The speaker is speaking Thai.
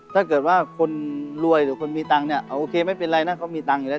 ถ้าเกิดว่าคนรวยหรือคนมีตังค์เนี่ยโอเคไม่เป็นไรนะเขามีตังค์อยู่แล้ว